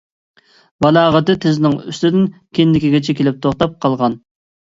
بالاغىتى تىزىنىڭ ئۈستىدىن كىندىكىگىچە كېلىپ توختاپ قالغان.